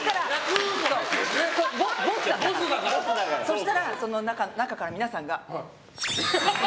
そうしたら、中から皆さんが。